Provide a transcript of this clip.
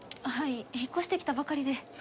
はい引っ越してきたばかりで。